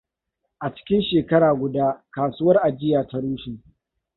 A cikin shekara guda, kasuwar ajiya ta rushe.